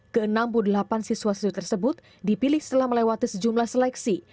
ke enam puluh delapan siswa siswi tersebut dipilih setelah melewati sejumlah seleksi